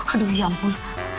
aduh ya ampun